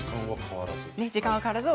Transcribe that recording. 時間は変わらず。